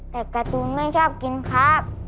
แต่การ์ตูนไม่ชอบกินครับ